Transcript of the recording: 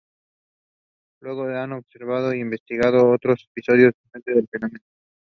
With both benevolent and malevolent fairies.